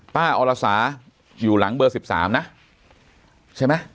อรสาอยู่หลังเบอร์๑๓นะใช่ไหม